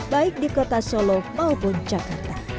baik di kota solo maupun jakarta